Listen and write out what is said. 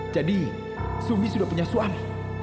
jadi suami sudah punya suami